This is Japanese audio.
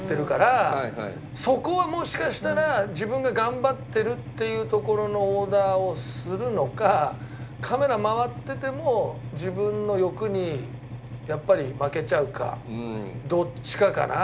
そこはもしかしたら自分が頑張ってるっていうところのオーダーをするのかカメラ回ってても自分の欲にやっぱり負けちゃうかどっちかかな。